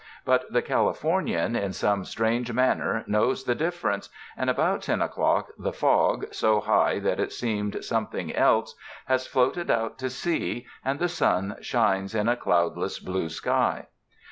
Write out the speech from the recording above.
But the Californian, in some strange man ner, knows the difference, and about ten o'clock, the fog, so high that it seemed something else, has floated out to sea, and the sun shines in a cloudless blue sky.